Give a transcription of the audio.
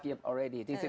ini adalah enam tahun